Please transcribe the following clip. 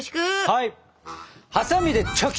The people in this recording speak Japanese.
はい！